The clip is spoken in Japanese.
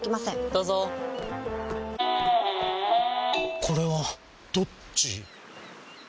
どうぞこれはどっち？